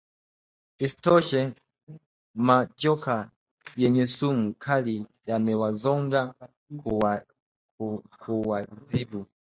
Isitoshe, majoka yenye sumu kali yamewazonga kuwaadhibu